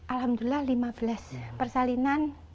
alhamdulillah lima belas persalinan